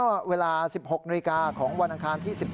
เมื่อเวลา๑๖นิกาของวันอังคารที่๑๗